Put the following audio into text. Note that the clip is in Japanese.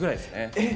えっ！